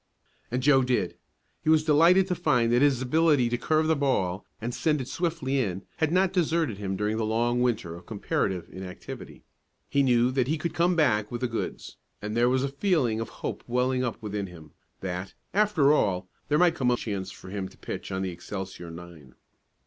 And Joe did. He was delighted to find that his ability to curve the ball, and send it swiftly in, had not deserted him during the long winter of comparative inactivity. He knew that he could "come back with the goods," and there was a feeling of hope welling up within him, that, after all, there might come a chance for him to pitch on the Excelsior nine.